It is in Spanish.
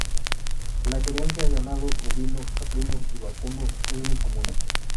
La crianza ganado ovino, caprino y vacuno es muy común.